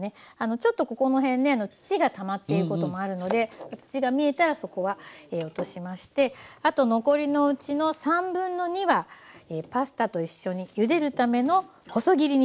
ちょっとここの辺ね土がたまっていることもあるので土が見えたらそこは落としましてあと残りのうちの2/3はパスタと一緒にゆでるための細切りにします